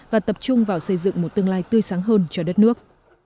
và tập trung vào xây dựng một tương lai tươi sáng hơn cho đất nước